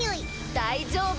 大丈夫！